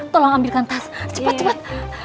tolong ambilkan tas cepat cepat